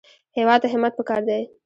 هېواد ته همت پکار دی